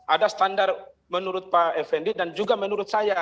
ada standar menurut pak effendi dan juga menurut saya